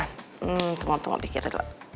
hmm tunggu tunggu pikirin dulu